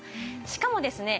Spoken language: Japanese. しかもですね